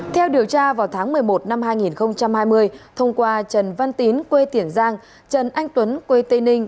theo điều tra vào tháng một mươi một năm hai nghìn hai mươi thông qua trần văn tín quê tiền giang trần anh tuấn quê tây ninh